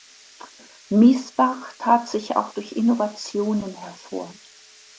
Miesbach tat sich auch durch Innovationen hervor.